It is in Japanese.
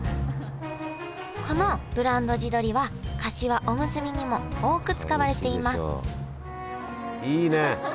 このブランド地どりはかしわおむすびにも多く使われていますいいね！